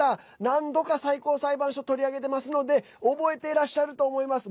何度か最高裁判所取り上げてますので覚えていらっしゃると思います。